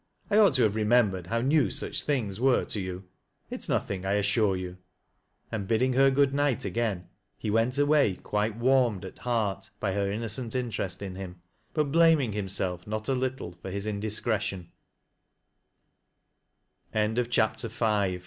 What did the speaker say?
I ought to have remembered hovr new such things were to you. It is noth ing, I assure you." And bidd/ng her good night again, he wejit away quite warmed at heart by her innocent interest in him, but blaming himself not & littlo